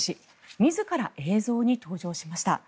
自ら映像に登場しました。